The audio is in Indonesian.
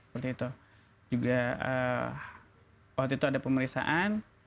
waktu itu ada pemeriksaan